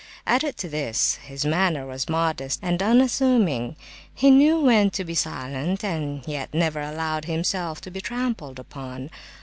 Added to this, his manner was modest and unassuming; he knew when to be silent, yet never allowed himself to be trampled upon.